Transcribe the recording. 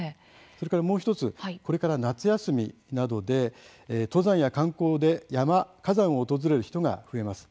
それからもう１つこれから夏休みなどで登山や観光で山、火山を訪れる人が増えます。